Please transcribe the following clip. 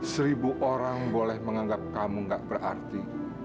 seribu orang boleh menganggap kamu gak berarti